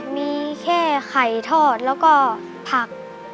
มีแค่ไข่ทอดแล้วก็ผัก